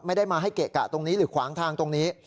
ไม่ได้มาให้เกะกะตรงนี้หรือขวางทางตรงนี้